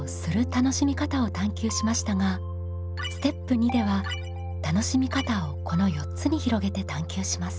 楽しみ方を探究しましたがステップ２では楽しみ方をこの４つに広げて探究します。